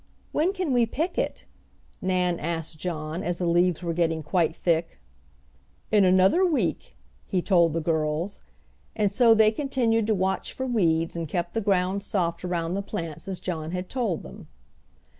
"When can we pick it?" Nan asked John, as the leaves were getting quite thick. "In another week!" he told the girls, and so they continued to watch for weeds and kept the ground soft around the plants as John had told them.